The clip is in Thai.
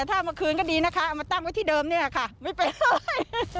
เอามาตั้งไว้ที่เดิมเนี่ยค่ะไม่เป็นไร